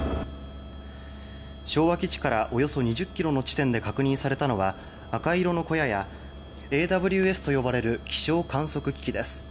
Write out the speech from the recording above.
昭和基地からおよそ２０ｋｍの地点で確認されたのは赤色の小屋や、ＡＷＳと呼ばれる気象観測機器です。